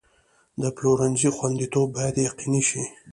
د پلورنځي خوندیتوب باید یقیني شي.